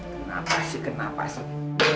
kenapa sih kenapa sih